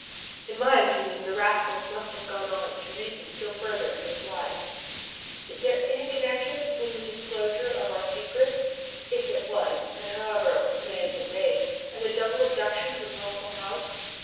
In my opinion the rascals must have gone on to reason still further in this wise: "Is there any connection between the disclosure of our secret if it was, and however it may have been made and the double abduction from Healthful House?